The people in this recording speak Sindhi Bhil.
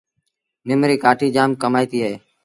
نم ريٚ ڪآٺيٚ جآم ڪمآئيٚتيٚ اهي۔